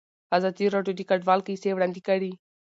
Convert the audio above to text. ازادي راډیو د کډوال کیسې وړاندې کړي.